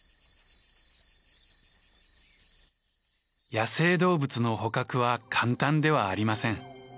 野生動物の捕獲は簡単ではありません。